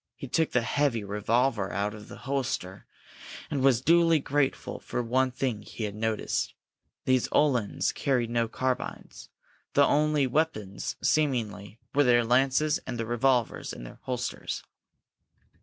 He took the heavy revolver from the holster and was duly grateful for one thing he had noticed these Uhlans carried no carbines. Their only weapons, seemingly, were their lances and the revolvers in their holsters.